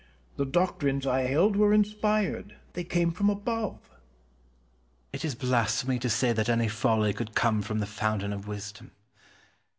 The doctrines I held were inspired; they came from above. Cortez. It is blasphemy to say that any folly could come from the Fountain of Wisdom.